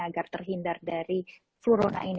agar terhindar dari flu rona ini